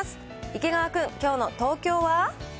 池川君、きょうの東京は？